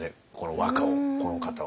和歌をこの方は。